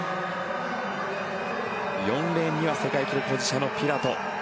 ４レーンには世界記録保持者のピラト。